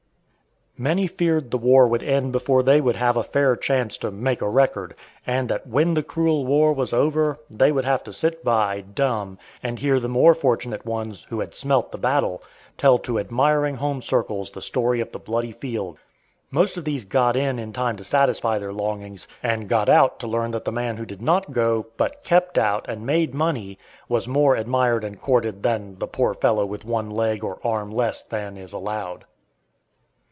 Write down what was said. [Illustration: AN EARLY HERO. 1861.] Many feared the war would end before they would have a fair chance to "make a record," and that when "the cruel war was over" they would have to sit by, dumb, and hear the more fortunate ones, who had "smelt the battle," tell to admiring home circles the story of the bloody field. Most of these "got in" in time to satisfy their longings, and "got out" to learn that the man who did not go, but "kept out," and made money, was more admired and courted than the "poor fellow" with one leg or arm less than is "allowed."